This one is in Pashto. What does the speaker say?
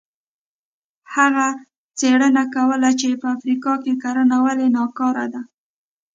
هغه څېړنه کوله چې په افریقا کې کرنه ولې ناکاره ده.